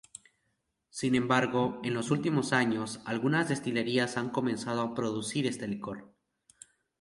Sin embargo, en los últimos años, algunas destilerías han comenzado a producir este licor.